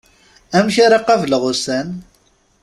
Amek ara qableɣ ussan?